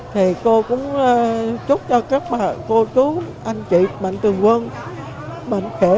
thì cô cũng chúc cho các cô chú anh chị mạnh tường quân mạnh khỏe